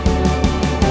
ini gak ada